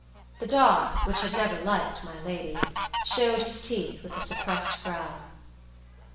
The dog, which had never liked my lady, showed his teeth with a suppressed growl.